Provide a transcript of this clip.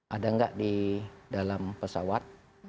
ada nggak di dalam pesawat